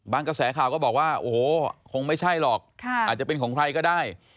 กระแสข่าวก็บอกว่าโอ้โหคงไม่ใช่หรอกอาจจะเป็นของใครก็ได้